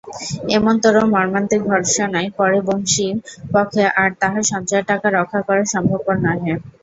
এমনতরো মর্মান্তিক ভর্ৎসনার পরে বংশীর পক্ষে আর তাহার সঞ্চয়ের টাকা রক্ষা করা সম্ভবপর নহে।